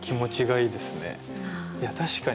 いや確かに。